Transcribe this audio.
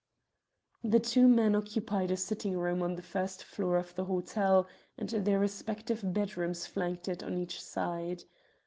The two men occupied a sitting room on the first floor of the hotel, and their respective bedrooms flanked it on each side.